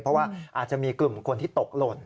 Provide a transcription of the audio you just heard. เพราะว่าอาจจะมีกลุ่มคนที่ตกหล่น